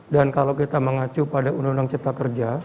dan kalau kita mengacu pada uu ck